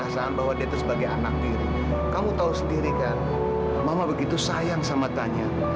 sampai jumpa di video selanjutnya